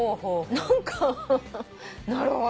何かなるほど。